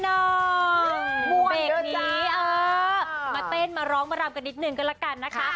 ว่นเยอะจ๊ะเปรกนี้เออมาเป็นมาร้องมารัมกันนิดนึงกันแหละกันนะคะ